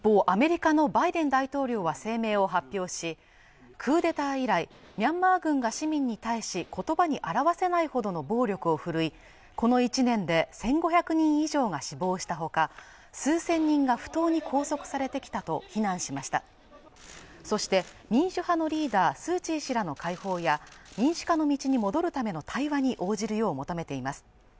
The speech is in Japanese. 、アメリカのバイデン大統領は声明を発表しクーデター以来ミャンマー軍が市民に対し言葉に表せないほどの暴力を振るいこの１年で１５００人以上が死亡したほか数千人が不当に拘束されてきたと非難しましたそして民主派のリーダースー・チー氏らの解放や民主化の道に戻るための対話に応じるよう求めています